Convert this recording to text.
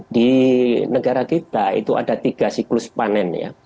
di negara kita itu ada tiga siklus panen ya